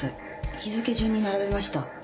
日付順に並べました。